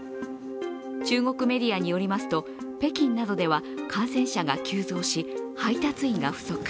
中国メディアによりますと北京などでは感染者が急増し配達員が不足。